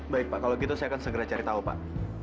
baik pak kalau gitu saya akan segera cari tahu pak